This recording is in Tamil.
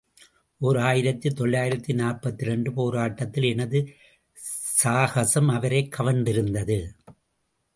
ஓர் ஆயிரத்து தொள்ளாயிரத்து நாற்பத்திரண்டு போராட்டத்தில் எனது சாகசம் அவரைக் கவர்ந்திருந்தது.